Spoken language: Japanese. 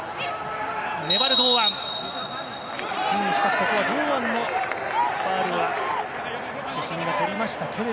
ここは堂安のファウルを主審がとりました。